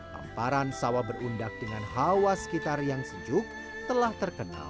tamparan sawah berundak dengan hawa sekitar yang sejuk